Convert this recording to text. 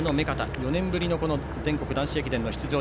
４年ぶりの全国男子駅伝の出場。